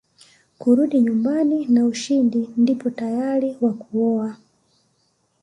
kurudi nyumbani na ushindi ndipo tayari wa kuoa